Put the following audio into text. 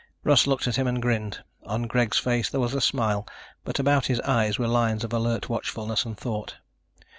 Russ looked at him and grinned. On Greg's face there was a smile, but about his eyes were lines of alert watchfulness and thought.